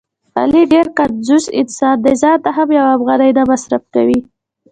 علي ډېر کنجوس انسان دی.ځانته هم یوه افغانۍ نه مصرف کوي.